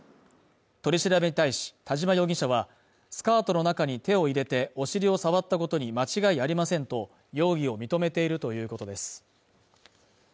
取り調べに対し田島容疑者は、スカートの中に手を入れてお尻を触ったことに間違いありませんと容疑を認めているということです。